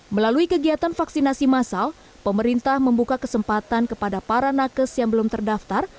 melalui kegiatan vaksinasi massal pemerintah membuka kesempatan kepada para nakes yang belum terdaftar